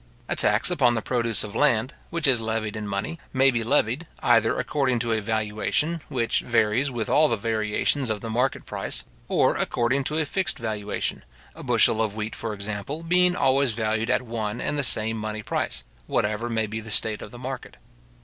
A tax upon the produce of land, which is levied in money, may be levied, either according to a valuation, which varies with all the variations of the market price; or according to a fixed valuation, a bushel of wheat, for example, being always valued at one and the same money price, whatever may be the state of the market.